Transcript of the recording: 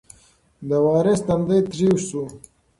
د وارث تندی تریو شو.